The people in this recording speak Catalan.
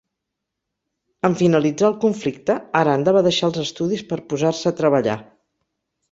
En finalitzar el conflicte, Aranda va deixar els estudis per posar-se a treballar.